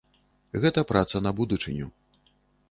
Гэта праца на будучыню.